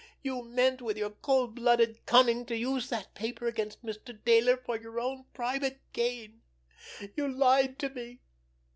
You meant, with your cold blooded cunning, to use that paper against Mr. Dayler for your own private gain. You lied to me!